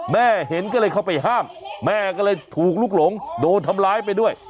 แม่เห็นก็เลยเข้าไปห้ามแม่ก็เลยถูกลุกหลงโดนทำร้ายไปด้วย